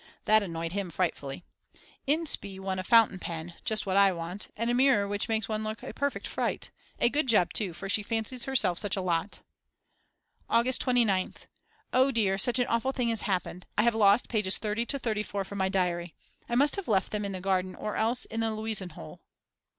That annoyed him frightfully. Inspee won a fountain pen, just what I want, and a mirror which makes one look a perfect fright. A good job too, for she fancies herself such a lot. August 29th. O dear, such an awful thing has happened. I have lost pages 30 to 34 from my diary. I must have left them in the garden, or else on the Louisenhohe.